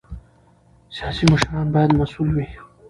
سیاسي مشران باید مسؤل وي